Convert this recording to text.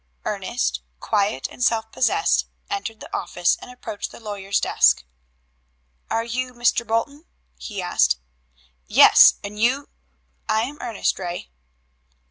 Ernest, quiet and self possessed, entered the office and approached the lawyer's desk. "Are you Mr. Bolton?" he asked. "Yes, and you " "I am Ernest Ray."